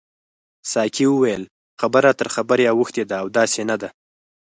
ساقي وویل خبره تر خبرې اوښتې ده او داسې نه ده.